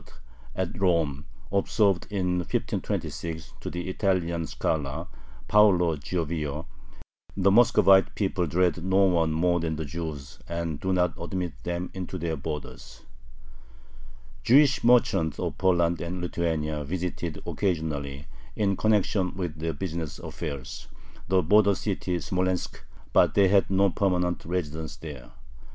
at Rome, observed in 1526 to the Italian scholar Paolo Giovio: "The Muscovite people dread no one more than the Jews, and do not admit them into their borders." Jewish merchants of Poland and Lithuania visited occasionally, in connection with their business affairs, the border city Smolensk, but they had no permanent residence there.